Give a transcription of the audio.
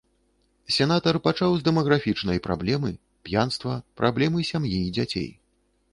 Сенатар пачаў з дэмаграфічнай праблемы, п'янства, праблемы сям'і і дзяцей.